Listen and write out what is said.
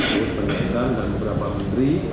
buat penyelidikan dan beberapa menteri